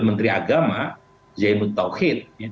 menteri agama zainud tauhid